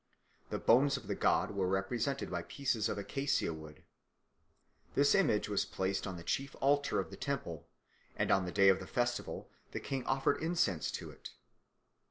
The bones of the god were represented by pieces of acacia wood. This image was placed on the chief altar of the temple, and on the day of the festival the king offered incense to it.